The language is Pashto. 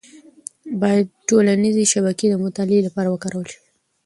باید ټولنیز شبکې د مطالعې لپاره وکارول شي.